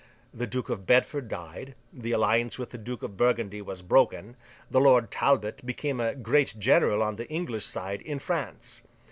The Duke of Bedford died; the alliance with the Duke of Burgundy was broken; and Lord Talbot became a great general on the English side in France.